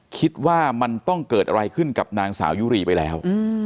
คิดว่ามันต้องเกิดอะไรขึ้นกับนางสาวยุรีไปแล้ว